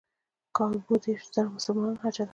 کابو دېرش زره مسلمانان حج ادا کوي.